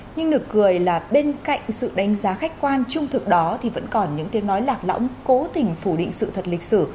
nhưng được cười là bên cạnh sự đánh giá khách quan trung thực đó thì vẫn còn những tiếng nói lạc lõng cố tình phủ định sự thật lịch sử